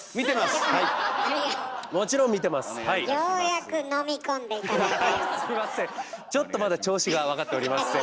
すいませんちょっとまだ調子が分かっておりません。